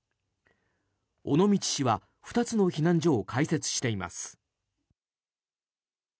尾道市は２つの避難所を開設しています。